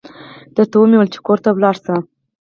درته و مې ويل چې کور ته ولاړه شه.